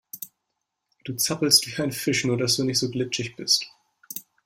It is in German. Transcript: Du zappelst wie ein Fisch, nur dass du nicht so glitschig bist.